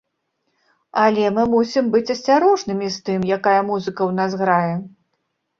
Але мы мусім быць асцярожнымі з тым, якая музыка ў нас грае.